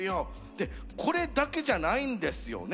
でこれだけじゃないんですよね。